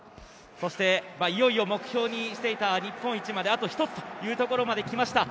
いよいよ目標にしていた日本一まで、あと一つというところまできました。